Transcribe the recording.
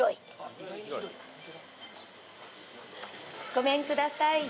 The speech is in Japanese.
ごめんください。